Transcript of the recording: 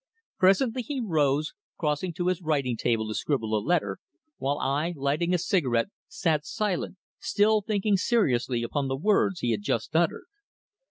Presently he rose, crossing to his writing table to scribble a letter, while I, lighting a cigarette, sat silent, still thinking seriously upon the words he had just uttered.